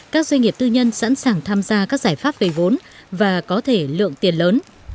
các doanh nghiệp tư nhân sẵn sàng tham gia các giải pháp về vốn và có thể lượng tiền lớn